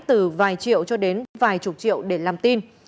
từ vài triệu cho đến vài chục triệu để làm tin